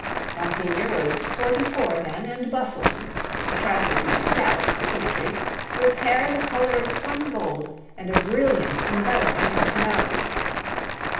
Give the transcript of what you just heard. Monsignor was forty four then, and bustling—a trifle too stout for symmetry, with hair the color of spun gold, and a brilliant, enveloping personality.